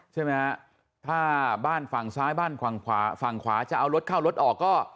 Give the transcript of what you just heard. ใช่ไหมฮะถ้าบ้านฝั่งซ้ายบ้านฝั่งขวาฝั่งขวาจะเอารถเข้ารถออกก็